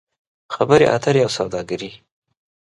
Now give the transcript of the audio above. خبرې اترې او سوداګري